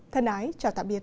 thân ái chào tạm biệt